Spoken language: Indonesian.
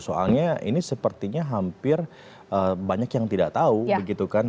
soalnya ini sepertinya hampir banyak yang tidak tahu begitu kan